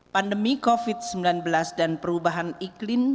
pandemi covid sembilan belas dan perubahan iklim